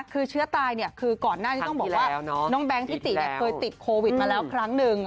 คือเชื้อตายคือก่อนหน้านี้ต้องบอกว่าน้องแบงค์ทิติเคยติดโควิดมาแล้วครั้งหนึ่ง